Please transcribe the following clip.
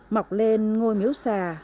mọc lên ngôi miếu xà